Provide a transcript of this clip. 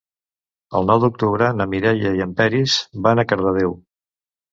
El nou d'octubre na Mireia i en Peris van a Cardedeu.